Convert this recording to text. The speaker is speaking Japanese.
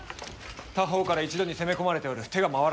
多方から一度に攻め込まれておる手が回らぬ！